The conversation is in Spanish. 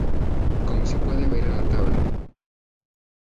Como se puede ver en la tabla.